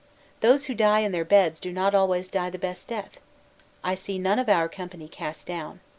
Those who die in their beds do not always die the best death. I see none of our company cast down.